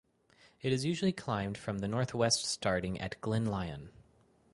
It is usually climbed from the northwest starting at Glen Lyon.